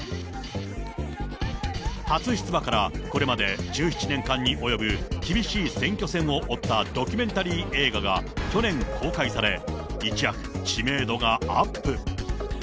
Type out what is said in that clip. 初出馬からこれまで１７年間に及ぶ厳しい選挙戦を追ったドキュメンタリー映画が去年公開され、一躍、知名度がアップ。